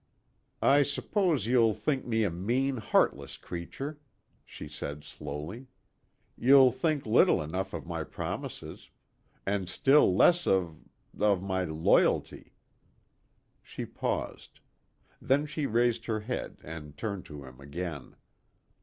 "I suppose you'll think me a mean, heartless creature," she said slowly. "You'll think little enough of my promises, and still less of of my loyalty." She paused. Then she raised her head and turned to him again.